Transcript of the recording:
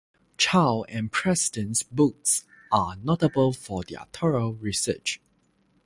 Child and Preston's books are notable for their thorough research.